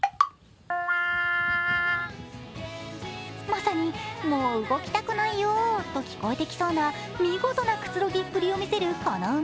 まさに、もう動きたくないよと聞こえそうな、見事なくつろぎっぷりを見せるこの馬、